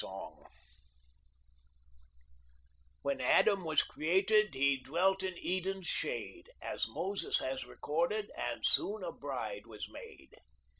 49 " When Adam was created He dwelt in Eden's shade, As Moses has recorded, And soon a bride was made.